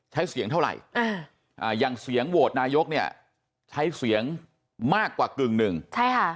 ใช้เสียงเท่าไหร่อ่าอย่างเสียงโหวตนายกเนี่ยใช้เสียงมากกว่ากึ่งหนึ่งใช่ค่ะ